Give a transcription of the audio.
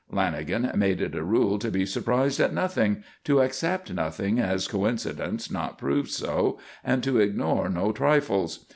Lanagan made it a rule to be surprised at nothing, to accept nothing as coincidence not proved so, and to ignore no trifles.